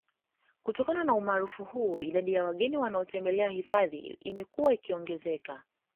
Kutokana na umaarufu huo idadi ya wageni wanaotembelea hifadhi imekuwa ikiongezeka